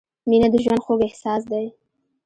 • مینه د ژوند خوږ احساس دی.